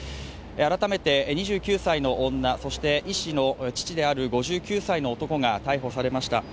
改めて２９歳の女、そして医師の父である５９歳の男が逮捕されました。